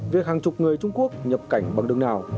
việc hàng chục người trung quốc nhập cảnh bằng đường nào